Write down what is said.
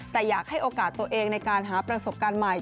แต่อยากให้โอกาสตัวเองในการหาประสบการณ์ใหม่